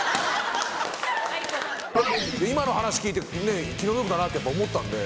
今の話聞いて気の毒だなってやっぱ思ったんで。